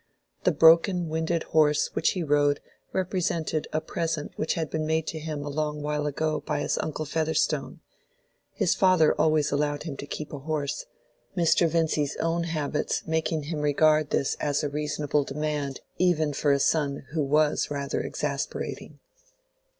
The broken winded horse which he rode represented a present which had been made to him a long while ago by his uncle Featherstone: his father always allowed him to keep a horse, Mr. Vincy's own habits making him regard this as a reasonable demand even for a son who was rather exasperating.